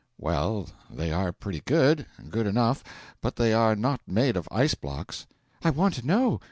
'Well, they are pretty good good enough but they are not made of ice blocks.' 'I want to know!